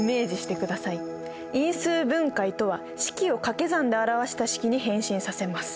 因数分解とは式をかけ算で表した式に変身させます。